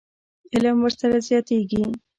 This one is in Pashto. علم ورسره زیاتېږي.